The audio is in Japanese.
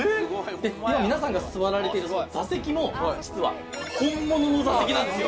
今皆さんが座られているその座席も実は本物の座席なんですよ